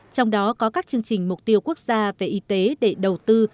trong đó có các chương trình mục tiêu quốc gia về y tế để đầu tư